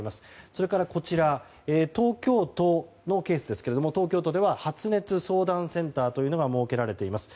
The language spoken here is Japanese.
それから、東京都のケースですが東京都では発熱相談センターが設けられています。